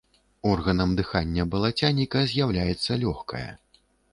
Органам дыхання балацяніка з'яўляецца лёгкае.